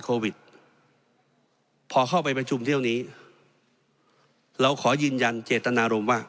โควิดพอเข้าไปประชุมเที่ยวนี้เราขอยืนยันเจตนารมณ์ว่า